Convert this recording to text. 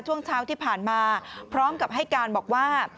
ช่วงเช้าที่ผ่านมาพร้อมกับให้การบอกว่า